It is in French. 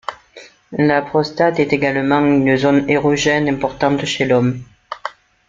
La prostate est également une zone érogène importante chez l'homme.